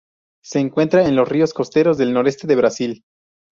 Se encuentra en los ríos costeros del noreste de Brasil.